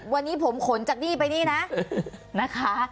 วันนี้ผมขนจับหนี้ไปนี้นะคะ